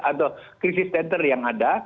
atau krisis center yang ada